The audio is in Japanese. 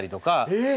えっ！